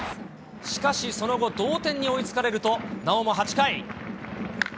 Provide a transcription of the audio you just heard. しかし、その後、同点に追いつかれると、なおも８回。